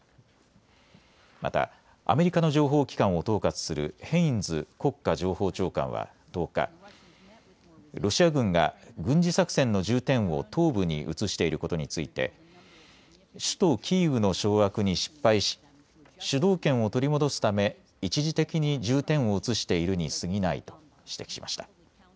またアメリカの情報機関を統括するヘインズ国家情報長官は１０日、ロシア軍が軍事作戦の重点を東部に移していることについて首都キーウの掌握に失敗し主導権を取り戻すため一時的に重点を移しているにすぎないと指摘しました。